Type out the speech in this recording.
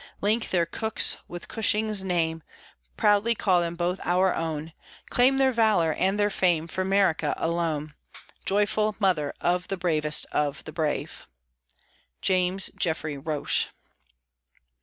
Link their Cooke's with Cushing's name; proudly call them both our own; Claim their valor and their fame for America alone Joyful mother of the bravest of the brave! JAMES JEFFREY ROCHE.